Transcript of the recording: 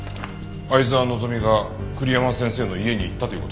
沢希が栗山先生の家に行ったという事か？